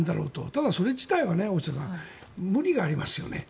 ただ、それ自体は大下さん無理がありますよね。